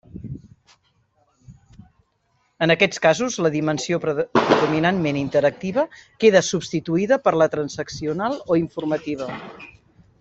En aquests casos la dimensió predominantment interactiva queda substituïda per la transaccional o informativa.